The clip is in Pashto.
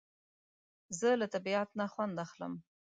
زه له طبیعت نه خوند اخلم